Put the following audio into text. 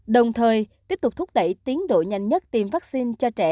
đồng thời tiếp tục thúc đẩy tiến độ nhanh nhất tiêm vaccine cho trẻ